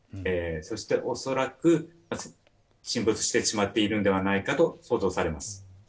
そして、恐らく沈没してしまっているのではないかと想像されます。